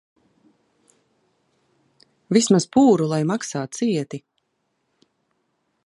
Vismaz pūru lai maksā cieti.